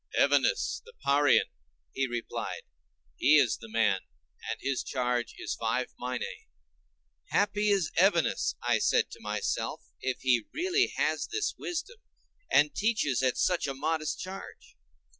"Evenus the Parian," he replied; "he is the man, and his charge is five minæ." Happy is Evenus, I said to myself, if he really has this wisdom, and teaches at such a modest charge.